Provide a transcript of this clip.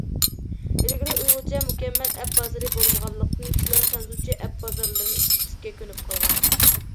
ئىلگىرى ئۇيغۇرچە مۇكەممەل ئەپ بازىرى بولمىغانلىقتىن، كىشىلەر خەنزۇچە ئەپ بازارلىرىنى ئىشلىتىشكە كۆنۈپ قالغان.